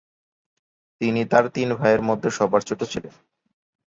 তিনি তাঁর তিন ভাইয়ের মধ্যে সবার ছোট ছিলেন।